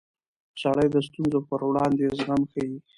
سړی د ستونزو پر وړاندې زغم ښيي